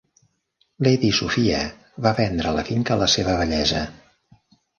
Lady Sophia va vendre la finca a la seva vellesa.